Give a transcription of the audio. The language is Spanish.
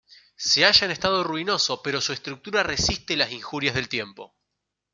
Se halla en estado ruinoso pero su estructura resiste las injurias del tiempo.